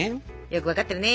よくわかってるね。